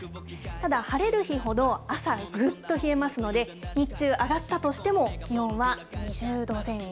ただ、晴れる日ほど、朝、ぐっと冷えますので、日中、上がったとしても、気温は２０度前後。